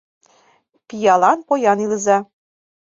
Пиалан, поян илыза.